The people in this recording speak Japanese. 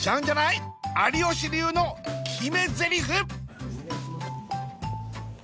有吉流の決めゼリフ！